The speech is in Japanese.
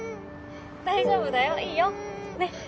・大丈夫だよいいよねっ。